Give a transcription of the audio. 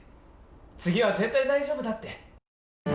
次は絶対大丈夫だって。